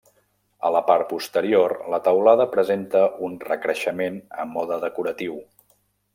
A la part posterior, la teulada presenta un recreixement a mode decoratiu.